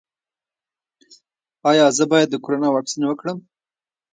ایا زه باید د کرونا واکسین وکړم؟